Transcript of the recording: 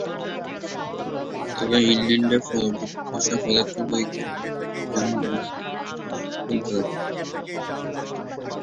তবে, ইংল্যান্ডে পরবর্তী সফরে খুব কমই ভূমিকা রাখেন।